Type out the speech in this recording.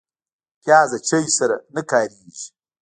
پیاز د چای سره نه کارېږي